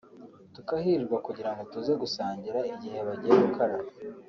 tukahirirwa kugira ngo tuze gusangira igihe bagiye gukaraba